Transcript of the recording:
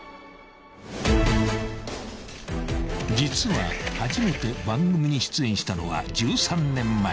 ［実は初めて番組に出演したのは１３年前］